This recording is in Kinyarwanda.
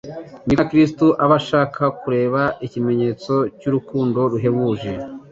ni ko na Kristo aba ashaka kureba ikimenyetso cy’urukundo ruhebuje,